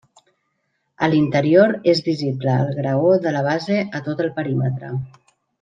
A l'interior és visible el graó de la base a tot el perímetre.